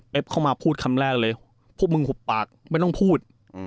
เข้ามาพูดคำแรกเลยพวกมึงหุบปากไม่ต้องพูด